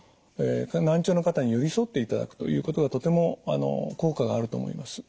難聴の方に寄り添っていただくということがとても効果があると思います。